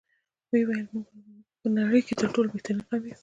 ویل به یې موږ په نړۍ کې تر ټولو بهترین قوم یو.